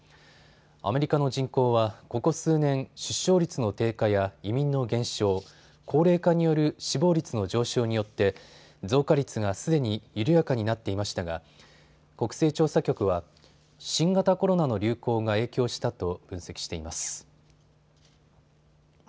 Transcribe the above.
アメリカの人口はここ数年、出生率の低下や移民の減少、高齢化による死亡率の上昇によって増加率がすでに緩やかになっていましたが国勢調査局は新型コロナの流行が影響したと分析しています。